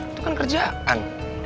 itu kan kerjaan